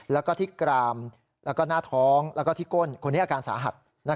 แล้วก็ที่กรามแล้วก็หน้าท้องแล้วก็ที่ก้นคนนี้อาการสาหัส